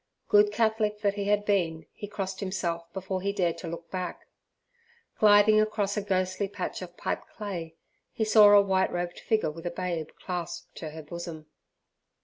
Good Catholic that he had been, he crossed himself before he dared to look back. Gliding across a ghostly patch of pipe clay, he saw a white robed figure with a babe clasped to her bosom.